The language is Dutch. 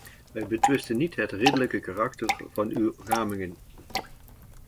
Wij betwisten niet het redelijke karakter van uw ramingen.